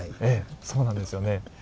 そうなんですよね。